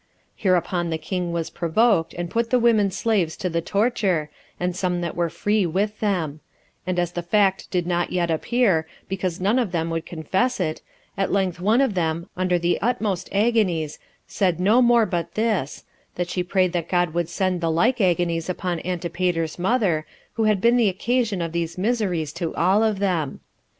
Hereupon the king was provoked, and put the women slaves to the torture, and some that were free with them; and as the fact did not yet appear, because none of them would confess it, at length one of them, under the utmost agonies, said no more but this, that she prayed that God would send the like agonies upon Antipater's mother, who had been the occasion of these miseries to all of them.